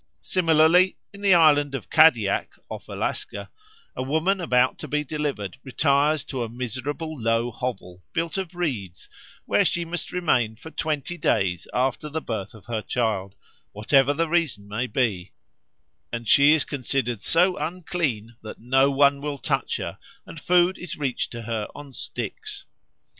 Similarly in the island of Kadiak, off Alaska, a woman about to be delivered retires to a miserable low hovel built of reeds, where she must remain for twenty days after the birth of her child, whatever the season may be, and she is considered so unclean that no one will touch her, and food is reached to her on sticks.